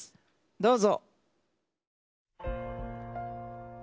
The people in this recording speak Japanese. どうぞ。